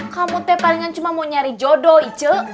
kamu te palingan cuma mau nyari jodoh i ce